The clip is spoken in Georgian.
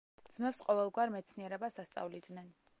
ძმებს ყოველგვარ მეცნიერებას ასწავლიდნენ.